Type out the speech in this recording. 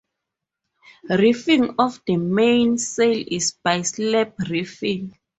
Reefing of the main sail is by slab reefing.